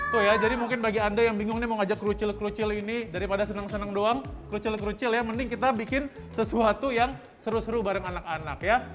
tuh ya jadi mungkin bagi anda yang bingung nih mau ngajak kerucil kerucil ini daripada senang senang doang kerucil kerucil ya mending kita bikin sesuatu yang seru seru bareng anak anak ya